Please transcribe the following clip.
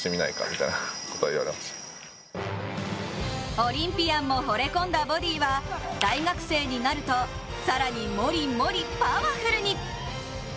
オリンピアンもほれ込んだボディは、大学生になると更にモリモリ、パワフルに。